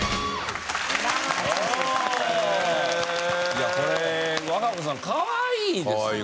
いやこれ和歌子さんかわいいです。